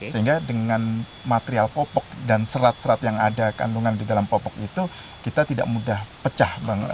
sehingga dengan material popok dan serat serat yang ada kandungan di dalam popok itu kita tidak mudah pecah